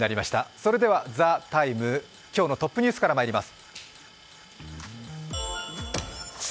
それでは「ＴＨＥＴＩＭＥ，」今日のトップニュースからまいります。